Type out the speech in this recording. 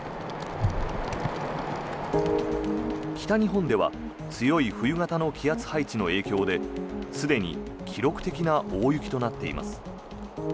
北日本では強い冬型の気圧配置の影響ですでに記録的な大雪となっています。